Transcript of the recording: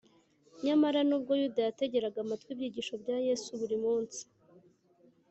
nyamara nubwo yuda yategeraga amatwi ibyigisho bya yesu buri munsi